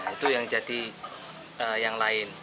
itu yang jadi yang lain